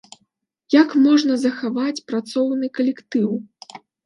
Як можна захаваць працоўны калектыў?